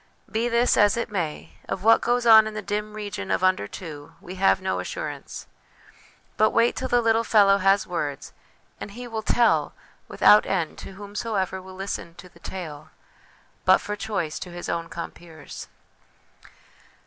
Be this as it may ; of what goes on in the dim region of ' under two' we have no assurance. But wait till the little fellow has words and he will ' tell ' without end to 232 HOME EDUCATION whomsoever will listen to the tale, but, for choice, to his own compeers.